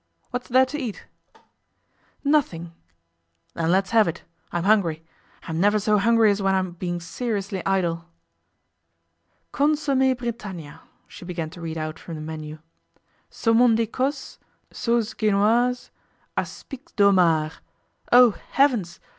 'What is there to eat?' 'Nothing.' 'Then let's have it. I'm hungry. I'm never so hungry as when I'm being seriously idle.' 'Consommé Britannia,' she began to read out from the menu, 'Saumon d'Ecosse, Sauce Genoise, Aspics de Homard. Oh, heavens!